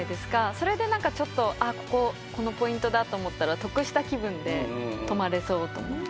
それであっこここのポイントだと思ったら得した気分で泊まれそうと思って。